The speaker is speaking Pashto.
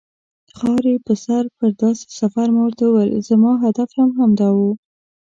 خاورې په سر پر داسې سفر، ما ورته وویل: زما هدف هم همدا و.